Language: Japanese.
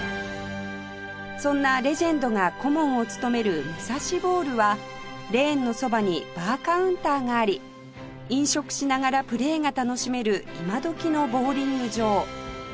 そんなレジェンドが顧問を務めるムサシボウルはレーンのそばにバーカウンターがあり飲食しながらプレーが楽しめる今どきのボウリング場